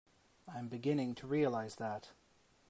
I'm beginning to realize that.